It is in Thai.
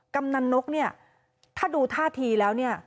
กำนันนกเนี่ยถ้าดูท่าทีแล้วเนี่ย